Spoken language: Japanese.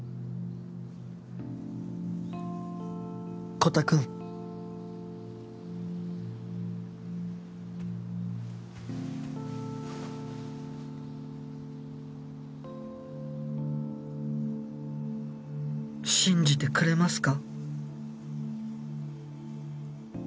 コタくん。信じてくれますか？